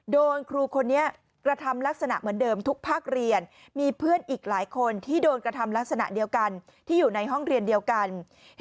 โดนครูคนนี้กระทำลักษณะเหมือนเดิมทุกภาคเรียน